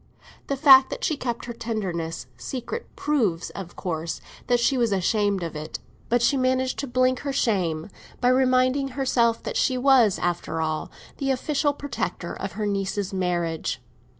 The fact that she kept her tenderness secret proves, of course, that she was ashamed of it; but she managed to blink her shame by reminding herself that she was, after all, the official protector of her niece's marriage.